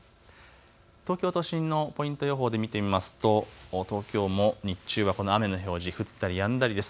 東京都心のポイント予報で見てみますと東京も日中はこの雨の表示、降ったりやんだりです。